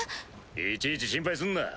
いちいち心配すんな。